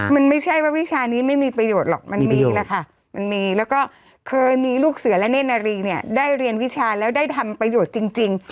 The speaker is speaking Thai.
มันไม่ใช่ว่าวิชานี้ไม่มีประโยชน์หรอกมันมีแหละค่ะมันมีแล้วก็เคยมีลูกเสือและเน่นนารีเนี่ยได้เรียนวิชาแล้วได้ทำประโยชน์จริง